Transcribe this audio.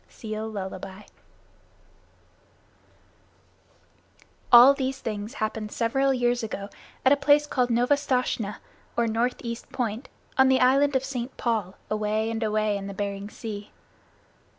Seal Lullaby All these things happened several years ago at a place called Novastoshnah, or North East Point, on the Island of St. Paul, away and away in the Bering Sea.